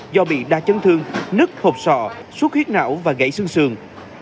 do bị đa chân thương nứt hộp sọ suốt huyết não và gãy xương xường